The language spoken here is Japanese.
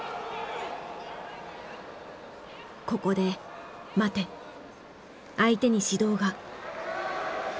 ここで「待て」相手に指導が。